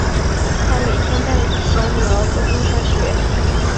她每天带小女儿走路上学